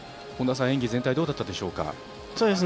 演技全体どうだったでしょうか。